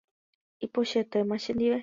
Ipochyetéma chendive.